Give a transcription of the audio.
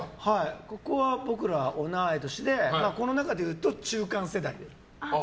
はい、僕ら同い年でこの中でいうと中間世代。